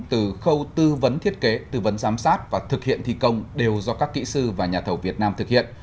từ khâu tư vấn thiết kế tư vấn giám sát và thực hiện thi công đều do các kỹ sư và nhà thầu việt nam thực hiện